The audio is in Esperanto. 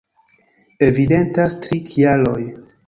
Evidentas tri kialoj.